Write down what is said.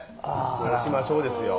どうしましょうですよ。